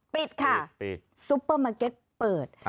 ปิดค่ะซุปเปอร์มาร์เก็ตเปิด